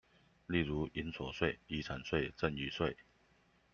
例如營所稅、遺產稅、贈與稅